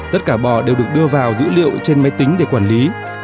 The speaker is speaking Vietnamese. tất cả bò đều được đưa vào dữ liệu trên máy tính để quản lý